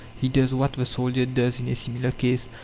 He does what the soldier does in a similar case.